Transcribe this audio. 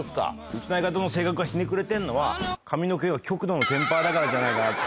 うちの相方の性格がひねくれてるのは髪の毛が極度の天パだからじゃないかな。